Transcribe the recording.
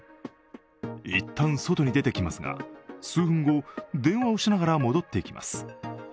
一旦、外に出てきますが数分後、電話をしながら戻ってきます。